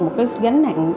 một cái gánh nặng